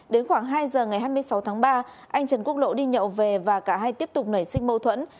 đến khoảng hai giờ ngày hai mươi sáu tháng ba anh trần quốc lộ đi nhậu về và cả hai tiếp tục nảy sinh mâu thuẫn